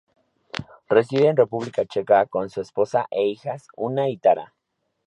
Reside en República Checa con su esposa e hijas, Una y Tara.